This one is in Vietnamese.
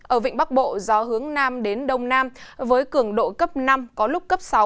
ở vịnh bắc bộ gió hướng nam đến đông nam với cường độ cấp năm có lúc cấp sáu